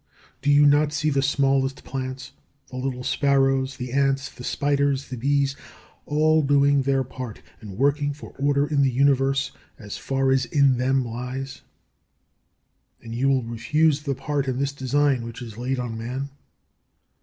Do you not see the smallest plants, the little sparrows, the ants, the spiders, the bees, all doing their part, and working for order in the Universe, as far as in them lies? And will you refuse the part in this design which is laid on man?